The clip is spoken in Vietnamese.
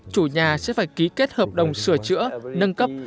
chủ nhà sẽ phải ký kết hợp đồng sửa chữa nâng cấp